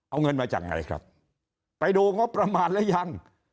เอาเงินมาจากไหนครับไปดูงบประมาณหรือยัง